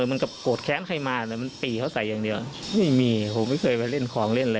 มันก็โกรธแค้นใครมาแต่มันปีเขาใส่อย่างเดียวไม่มีผมไม่เคยไปเล่นของเล่นเลย